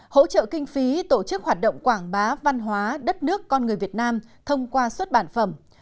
hỗ trợ kinh phí tổ chức hoạt động quảng bá văn hóa đất nước con người việt nam thông qua xuất bản phẩm